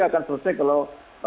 akan selesai kalau